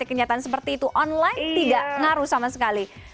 kenyataan seperti itu online tidak ngaruh sama sekali